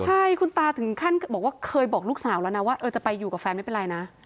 ใช่คุณตาถึงขั้นเคยบอกลูกสาวว่านะจะไปอยู่กับแฟนไม่เป็นไรนะ